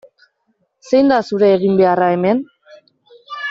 Zein da zure eginbeharra hemen?